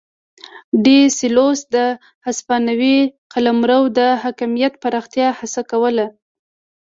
ډي سلوس د هسپانوي قلمرو د حاکمیت پراختیا هڅه کوله.